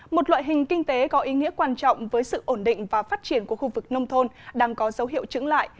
một loại hình kinh tế có ý nghĩa quan trọng với sự ổn định và phát triển của khu vực nông thôn đang có dấu hiệu chứng lại